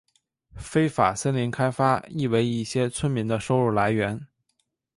非法森林开发亦为一些村民的收入来源。